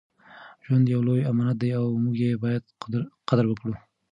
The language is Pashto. ژوند یو لوی امانت دی او موږ یې باید قدر وکړو.